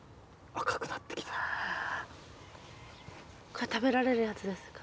これ食べられるやつですか？